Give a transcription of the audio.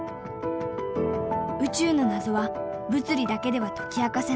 宇宙の謎は物理だけでは解き明かせない。